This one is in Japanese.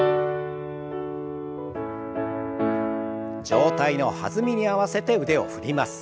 上体の弾みに合わせて腕を振ります。